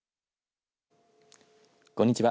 こんにちは。